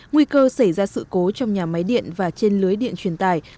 nguy cơ xảy ra sự cố trong nhà máy điện và trên lưới điện truyền tài